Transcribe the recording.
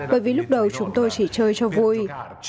bởi vì lúc đầu chúng tôi chỉ chơi cho vui